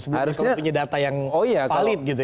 sebenarnya kami punya data yang valid gitu ya